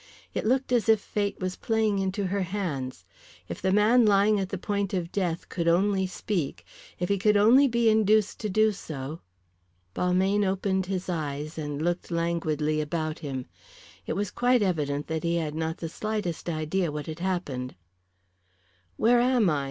It looked as if fate was playing into her hands. If the man lying at the point of death could only speak, if he could only be induced to do so. Balmayne opened his eyes and looked languidly about him. It was quite evident that he had not the slightest idea what had happened. "Where am I?"